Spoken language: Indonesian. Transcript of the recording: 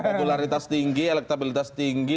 atularitas tinggi elektabilitas tinggi